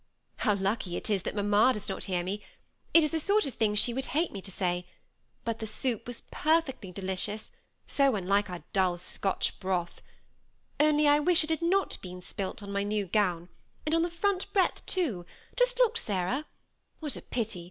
How lucky it is that mamma does not hear me ! It is the sort of thing she would hate me to say ; but the soup was perfectly delicious, so unlike our dull Scotch broth ; only I wish it had not been spilt on my new gown, and on the front breadth too ; just look, Sarah. What a pity